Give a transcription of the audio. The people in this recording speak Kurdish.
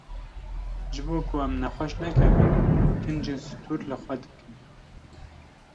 Ji bo ku em nexweş nekevin, kincên stûr li xwe dikin.